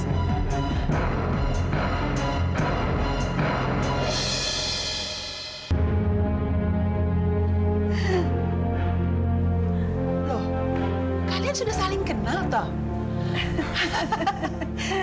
loh kalian sudah saling kenal toh